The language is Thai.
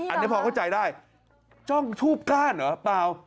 อันนี้พอเข้าใจได้จ้องทูบก้านเหรอเปล่า